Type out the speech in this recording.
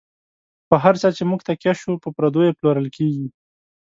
په هر چا چی موږ تکیه شو، په پردیو پلورل کیږی